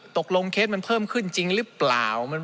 เคสมันเพิ่มขึ้นจริงหรือเปล่า